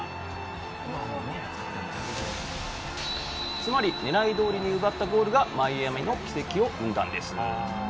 つまりねらい通りに奪ったゴールがマイアミの奇跡を生んだんです。